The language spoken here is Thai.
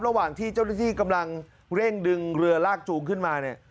ระหว่างที่เจ้าหน้าที่กำลังเร่งดึงเรือลากจูงขึ้นมาเนี่ย